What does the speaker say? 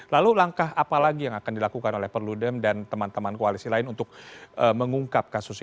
lalu langkah apa lagi yang akan dilakukan oleh perludem dan teman teman koalisi lain untuk mengungkap kasus ini